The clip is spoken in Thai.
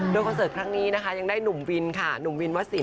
โดยคอนเสิร์ตครั้งนี้นะคะยังได้หนุ่มวินค่ะหนุ่มวินวสิน